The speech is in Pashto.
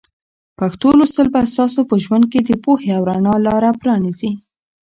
پښتو لوستل به ستاسو په ژوند کې د پوهې او رڼا لاره پرانیزي.